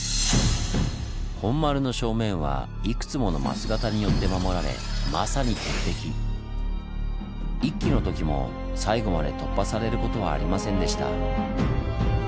本丸の正面はいくつもの枡形によって守られまさに一揆の時も最後まで突破されることはありませんでした。